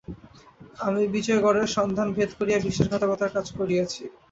আমি বিজয়গড়ের সন্ধান ভেদ করিয়া বিশ্বাসঘাতকের কাজ করিয়াছি।